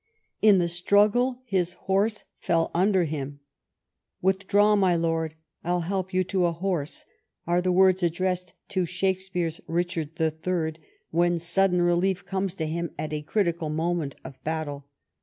In the struggle his horse fell under him. " Withdraw, my Lord — I'll help you to a horse," are the words addressed to Shakespeare's Richard the Third, when sudden relief comes to him at a critical moment of battle.